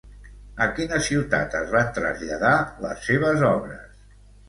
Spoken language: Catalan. A quina ciutat es van traslladar les seves obres?